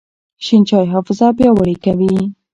شین چای حافظه پیاوړې کوي.